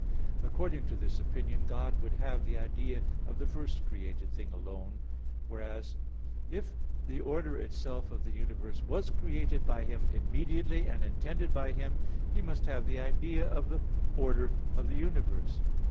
According to this opinion God would have the idea of the first created thing alone; whereas, if the order itself of the universe was created by Him immediately, and intended by Him, He must have the idea of the order of the universe.